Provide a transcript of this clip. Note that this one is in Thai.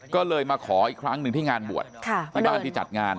ก็เลยมาขออีกครั้งหนึ่งที่งานบวชที่บ้านที่จัดงาน